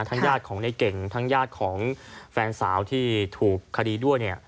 ญาติของในเก่งทั้งญาติของแฟนสาวที่ถูกคดีด้วยเนี่ย